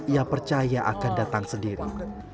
ia percaya akan datang sendiri